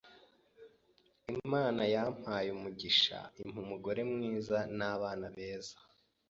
imana yampaye umugisha impa umugore mwiza n’abana beza